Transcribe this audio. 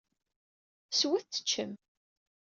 Swet teččem.